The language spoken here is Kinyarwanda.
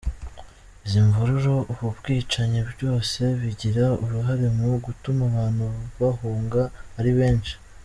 Izi mvururu, ubu bwicanyi, byose bigira uruhare mu gutuma abantu bahunga ari benshi.